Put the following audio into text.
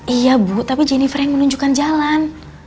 iya bu tapi jennifer yang menunjukkan jalan